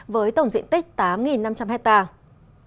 với tổng diện tích tám năm trăm linh hectare